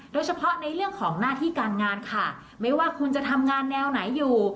โดยเฉพาะในเรื่องของหน้าที่การงานค่ะไม่ว่าคุณจะทำงานแนวไหนอยู่